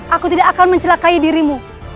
aku tidak akan mencelakai dirimu